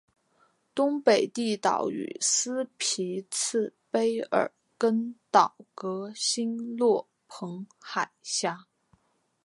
东北地岛与斯匹次卑尔根岛隔欣洛彭海峡。